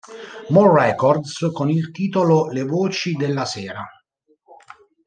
More Records con il titolo Le voci della sera.